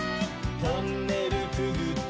「トンネルくぐって」